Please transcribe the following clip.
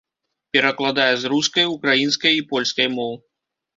Перакладае з рускай, украінскай і польскай моў.